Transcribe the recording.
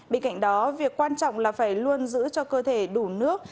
bên cạnh đó việc quan trọng là phải luôn giữ cho cơ thể đủ nước